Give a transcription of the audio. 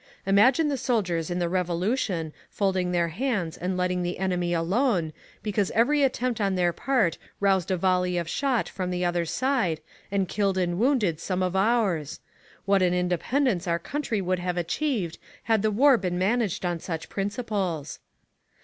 Imagine the soldiers in the Revolution folding their hands and letting the enemy alone, because every attempt on their part roused a volley of shot from the other side, and killed and wounded some of ours ! What an independence our country would have achieved had the war been man aged on such principles!"